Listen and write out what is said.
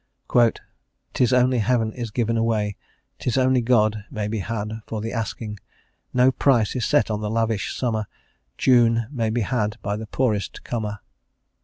"'Tis only heaven is given away; 'Tis only God may be had for the asking; No price is set on the lavish summer; June may be had by the poorest comer."